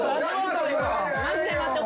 マジで待って。